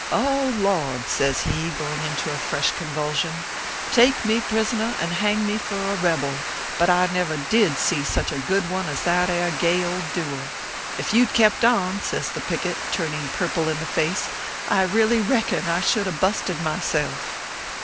" Lord !" says he, going into a fresh convulsion, ORPHEUS C. KERR PAPERS. 163 " take me prisoner and hang me for a rebel, but I never did see such a good one as that air gay old duel. If you d kept on/ says the picket, turning purple in the face, " I really reckon I should a busted myself."